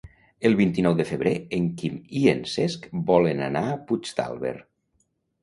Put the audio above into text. El vint-i-nou de febrer en Quim i en Cesc volen anar a Puigdàlber.